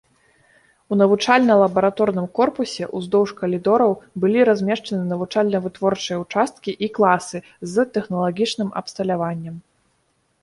У навучальна-лабараторным корпусе ўздоўж калідораў былі размешчаны навучальна-вытворчыя ўчасткі і класы з тэхналагічным абсталяваннем.